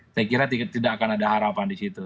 saya kira tidak akan ada harapan di situ